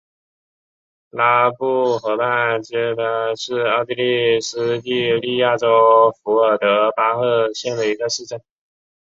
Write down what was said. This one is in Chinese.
拉布河畔基希贝格是奥地利施蒂利亚州费尔德巴赫县的一个市镇。